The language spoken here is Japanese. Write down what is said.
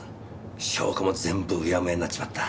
証拠も全部うやむやになっちまった。